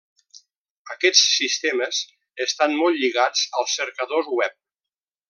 Aquests sistemes estan molt lligats als cercadors web.